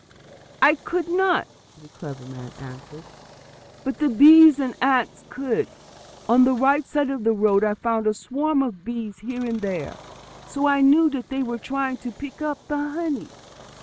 "I could not," the clever man answered, "but the bees and the ants could! On the right side of the road I found a swarm of bees here and there; so I knew that they were trying to pick up the honey.